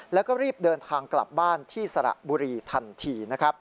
และรีบเดินทางกลับบ้านที่สระบุรีทันที